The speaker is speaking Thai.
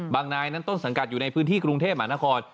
นายนั้นต้นสังกัดอยู่ในพื้นที่กรุงเทพมหานคร